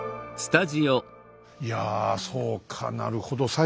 いやそうかなるほど。